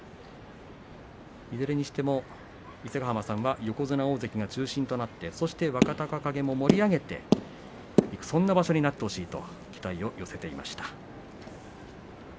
いずれにしても伊勢ヶ濱さんは横綱、大関が中心となってそして、若隆景も盛り上げてそういう場所になってほしいと期待を寄せていました。